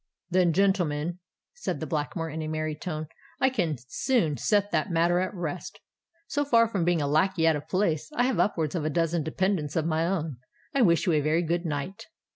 "Then, gentlemen," said the Blackamoor, in a merry tone, "I can soon set the matter at rest. So far from being a lacquey out of place, I have upwards of a dozen dependants of my own. I wish you a very good night."